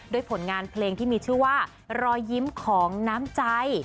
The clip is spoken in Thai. ผลงานเพลงที่มีชื่อว่ารอยยิ้มของน้ำใจ